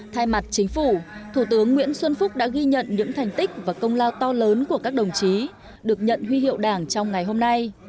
thay mặt chính phủ thủ tướng nguyễn xuân phúc đã ghi nhận những thành tích và công lao to lớn của các đồng chí được nhận huy hiệu đảng trong ngày hôm nay